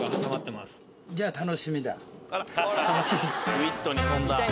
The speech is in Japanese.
ウィットに富んだ。